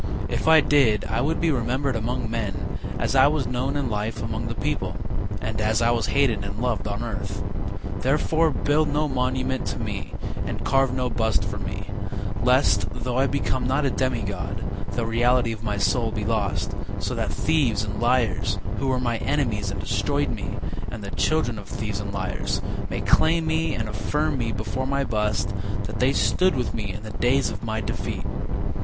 If I did I would be remembered among men As I was known in life among the people, And as I was hated and loved on earth, Therefore, build no monument to me, And carve no bust for me, Lest, though I become not a demi god, The reality of my soul be lost, So that thieves and liars, Who were my enemies and destroyed me, And the children of thieves and liars, May claim me and affirm before my bust That they stood with me in the days of my defeat.